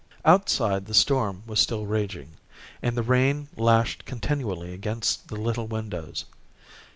Outside, the storm was still raging, and the rain lashed continually against the little windows.